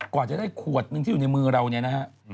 กว่าจะได้ขวดหนึ่งที่อยู่ในมือเราเนี่ยนะฮะ